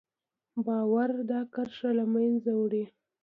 باور دا کرښه له منځه وړي.